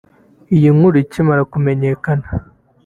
Iyi nkuru ikimara kumenyakana